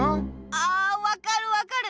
あ分かる分かる！